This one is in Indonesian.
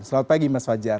selamat pagi mas fajar